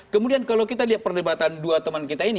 kemudian kalau kita lihat perdebatan dua teman kita ini